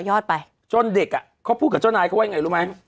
ยอดไปจนเด็กอ่ะเขาพูดกับเจ้านายเขาว่ายังไงรู้ไหม